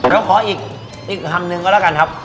แล้วขออีกอีกครั้งนึงก็แล้วกันครับ